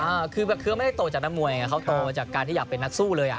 เออคือแบบคือไม่ได้โตจากนักมวยไงเขาโตจากการที่อยากเป็นนักสู้เลยอ่ะ